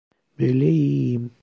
Böyle iyiyim.